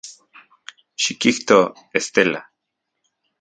Xikijto, Estela.